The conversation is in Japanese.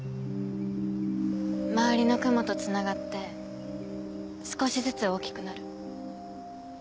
周りの雲とつながって少しずつ大きくなる。